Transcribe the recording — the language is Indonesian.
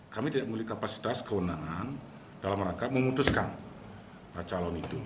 kami tidak memiliki kapasitas kewenangan dalam rangka memutuskan calon itu